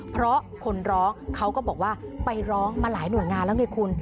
เพราะคนร้องเขาก็บอกว่าไปร้องมาหลายหน่วยงานแล้วไงคุณ